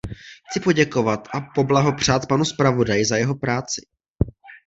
Chci poděkovat a poblahopřát panu zpravodaji za jeho práci.